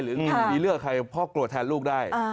หรือเลือกใครพ่อโกรธทานลูกได้